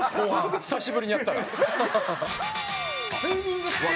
久しぶりにやったら。